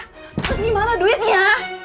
terus gimana duitnya